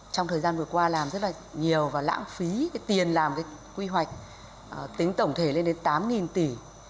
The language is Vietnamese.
trong thời gian vừa qua làm rất là nhiều và lãng phí cái tiền làm cái quy hoạch tính tổng thể lên đến tám tỷ